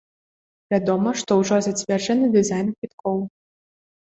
Вядома, што ўжо зацверджаны дызайн квіткоў.